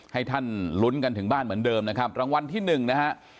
ให้ท่านลุ้นกันถึงบ้านเหมือนเดิมนะครับรางวัลที่หนึ่งนะฮะ